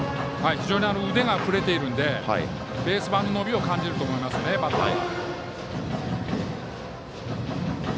非常に腕が振れているのでベース板の伸びを感じると思いますね、バッターは。